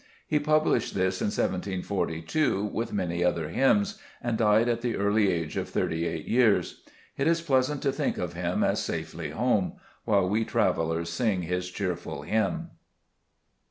He pub lished this in 1742 with many other hymns, and died at the early age of thirty eight years. It is pleasant to think of him as safely home, while we travelers sing his cheer ful hymn.